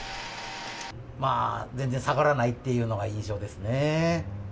まあ、全然下がらないっていうのが印象ですね。